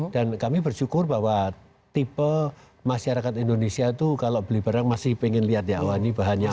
dan kami bersyukur bahwa tipe masyarakat indonesia itu kalau beli barang masih pengen lihat ya wah ini bahannya apa